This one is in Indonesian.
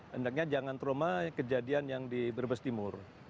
hendaknya jangan trauma kejadian yang di brebes timur